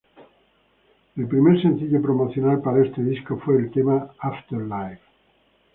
El primer sencillo promocional para este disco fue el tema ""Afterlife.